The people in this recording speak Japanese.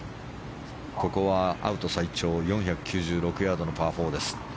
ここはアウト最長４９６ヤードのパー４です。